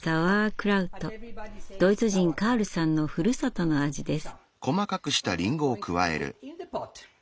ドイツ人カールさんのふるさとの味です。